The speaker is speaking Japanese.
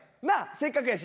せっかくやし。